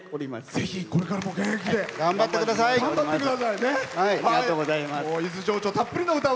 ぜひ、これからも現役で頑張ってくださいね。